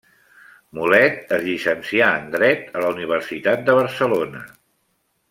Mulet es llicencià en dret a la Universitat de Barcelona.